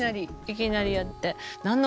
いきなりやって。